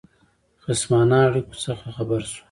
خصمانه اړېکو څخه خبر شو.